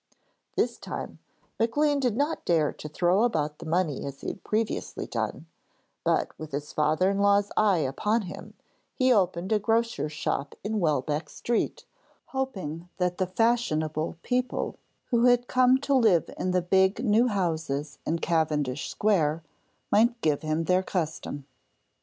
This time, Maclean did not dare to throw about the money as he had previously done, but with his father in law's eye upon him, he opened a grocer's shop in Welbeck Street, hoping that the fashionable people who had come to live in the big new houses in Cavendish Square might give him their custom.